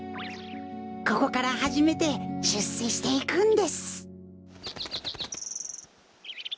ここからはじめてしゅっせしていくんです。